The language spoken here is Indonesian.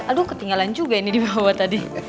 aduh ketinggalan juga ini dibawa tadi